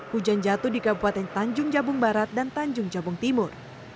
hujan jatuh di kabupaten tanjung jabung barat dan tanjung jabung timur